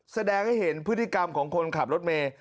แสดงให้เห็นพฤติกรรมของคนขับรถเมย์